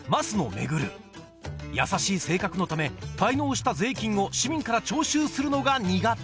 環優しい性格のため滞納した税金を市民から徴収するのが苦手